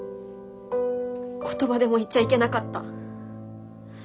言葉でも言っちゃいけなかった。